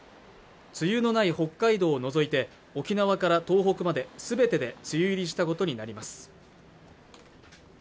梅雨のない北海道を除いて沖縄から東北まですべてで梅雨入りしたことになります